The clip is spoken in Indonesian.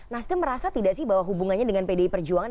nasdem merasa tidak sih bahwa hubungannya dengan pdi perjuangan